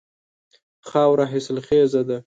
خاوره حاصل خیزه ده.